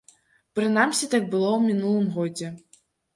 Прынамсі, так было ў мінулым годзе.